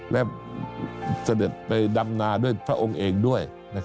และเสด็จไปดำนาด้วยพระองค์เองด้วย